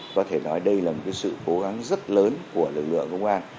có thể nói đây là một sự cố gắng rất lớn của lực lượng công an